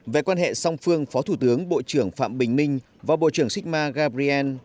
về quan hệ song phương phó thủ tướng bộ trưởng phạm bình minh và bộ trưởng syma gabriel